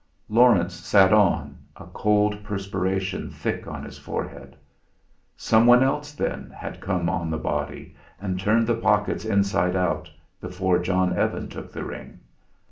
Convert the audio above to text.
Laurence sat on, a cold perspiration thick on his forehead. Someone else, then, had come on the body and turned the pockets inside out before John Evan took the ring.